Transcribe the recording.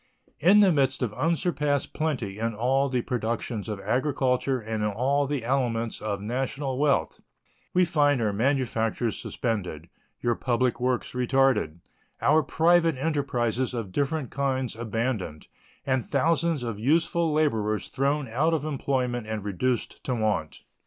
In the midst of unsurpassed plenty in all the productions of agriculture and in all the elements of national wealth, we find our manufactures suspended, our public works retarded, our private enterprises of different kinds abandoned, and thousands of useful laborers thrown out of employment and reduced to want.